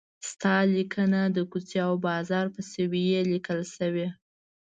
ستا لیکنه د کوڅې او بازار په سویې لیکل شوې.